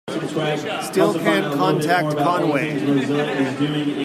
Still can't contact Conway.